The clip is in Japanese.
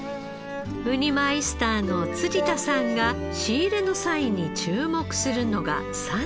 ウニマイスターの辻田さんが仕入れの際に注目するのが産地。